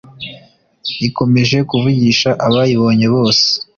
ikomeje kuvugisha abayibonye bose